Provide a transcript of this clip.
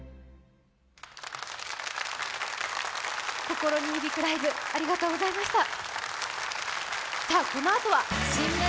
心に響くライブありがとうございました。